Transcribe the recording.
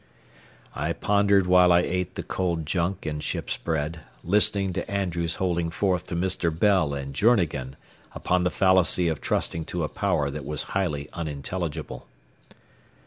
I pondered while I ate the cold junk and ship's bread, listening to Andrews holding forth to Mr. Bell and Journegan upon the fallacy of trusting to a power that was highly unintelligible.